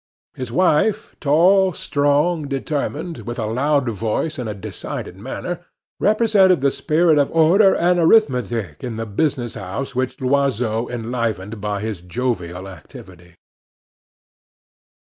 His wife tall, strong, determined, with a loud voice and decided manner represented the spirit of order and arithmetic in the business house which Loiseau enlivened by his jovial activity.